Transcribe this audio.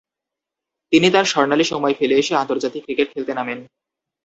তিনি তার স্বর্ণালী সময় ফেলে এসে আন্তর্জাতিক ক্রিকেট খেলতে নামেন।